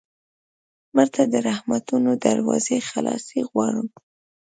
مړه ته د رحمتونو دروازې خلاصې غواړو